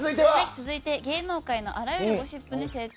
続いて芸能界のあらゆるゴシップに精通。